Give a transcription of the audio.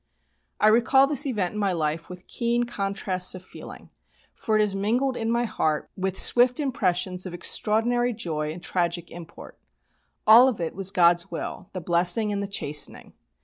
I recall this event in my life with keen contrasts of feeling, for it is mingled in my heart with swift impressions of extraordinary joy and tragic import. All of it was God's will the blessing and the chastening.